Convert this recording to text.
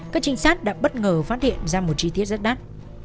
các trinh sát đã bất ngờ phát hiện ra một chi tiết rất đắt